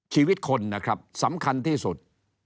ชีวิตคนนะครับสำคัญที่สุด